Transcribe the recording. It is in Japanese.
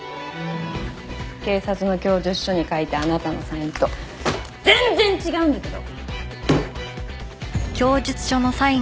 警察の供述書に書いたあなたのサインと全然違うんだけど！